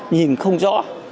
nhìn không rõ